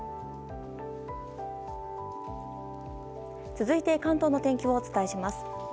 続いて関東の天気をお伝えします。